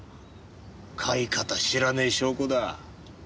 飼い方知らねえ証拠だ。